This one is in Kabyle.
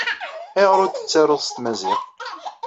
Ayɣer ur t-tettaruḍ s tmaziɣt?